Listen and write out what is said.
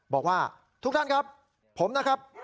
บอกว่าทุกท่านครับผมนะครับ